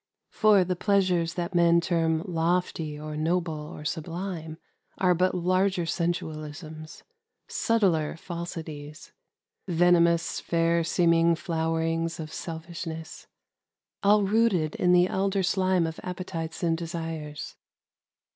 " For the pleasures that men term lofty or noble or sublime are but larger sensualisms, subtler falsities : venomous fair seeming flow erings of selfishness, — all rooted in the elder slime of appetites and desires.